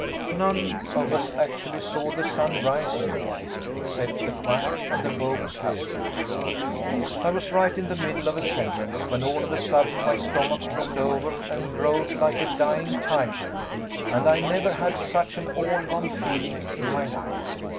None of us actually saw the sun rise, though, except the Quack and the bogus Haslop. I was right in the middle of a sentence when all of a sudden my stomach rolled over and growled like a dying tiger, and I never had such an all gone feeling in my life.